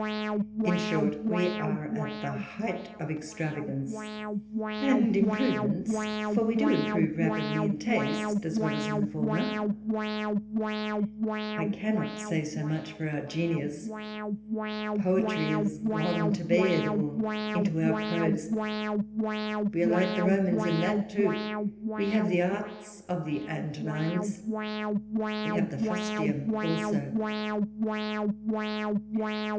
In short, we are at the height of extravagance and improvements, for we do improve rapidly in taste as well as in the former. I cannot say so walpole's letters. 153 much for our genius. Poetry is gone to bed, or into our prose ; we are like the Romans in that too. If we have the arts of the Antonines, — we have the fustian also.